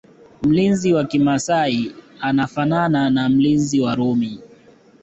Mlinzi wa kimasai anafanana na mlinzi wa Rumi